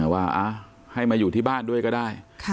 ว่าให้มาอยู่ที่บ้านด้วยก็ได้